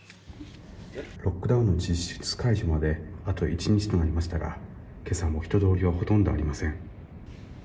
ロックダウンの実質解除まであと１日となりましたが今朝も人通りはほとんどありません。